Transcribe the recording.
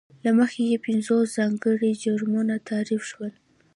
له مخې یې پینځوس ځانګړي جرمونه تعریف شول.